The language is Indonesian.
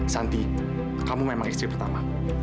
santi kamu memang istri pertama